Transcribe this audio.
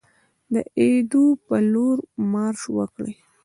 د ایدو په لور مارش وکړي.